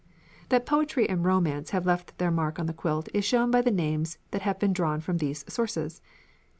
That poetry and romance have left their mark on the quilt is shown by the names that have been drawn from these sources.